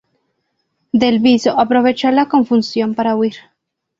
Del Viso aprovechó la confusión para huir.